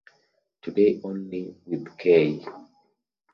Today only with "k".